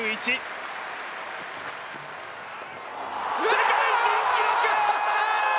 世界新記録！